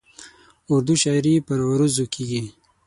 اردو شاعري پر عروضو کېږي.